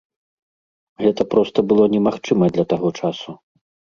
Гэта проста было немагчыма для таго часу.